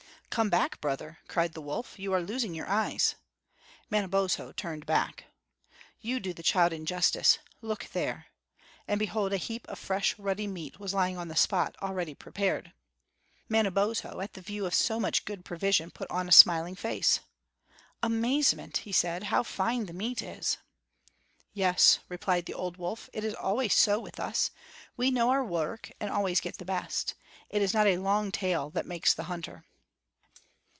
"Come back, brother," cried the wolf. "You are losing your eyes." Manabozho turned back. "You do the child injustice. Look there!" and behold, a heap of fresh, ruddy meat was lying on the spot, already prepared. Manabozho, at the view of so much good provision, put on a smiling face. "Amazement!" he said; "how fine the meat is!" "Yes," replied the old wolf, "it is always so with us; we know our work and always get the best. It is not a long tail that makes the hunter."